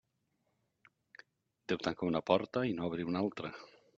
Déu tanca una porta i n'obri una altra.